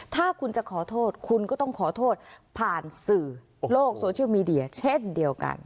ถ้าคุณจะขอโทษคุณก็ต้องขอโทษผ่านสื่อโลกโซเชียลมีเดียเช่นเดียวกัน